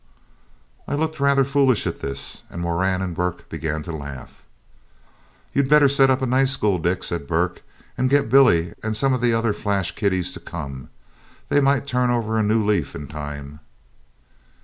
I looked rather foolish at this, and Moran and Burke began to laugh. 'You'd better set up a night school, Dick,' says Burke, 'and get Billy and some of the other flash kiddies to come. They might turn over a new leaf in time.'